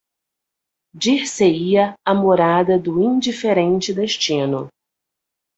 Dir-se-ia a morada do indiferente Destino.